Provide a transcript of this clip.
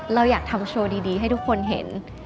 เราอยากทำโชว์ดีให้ทุกคนเห็น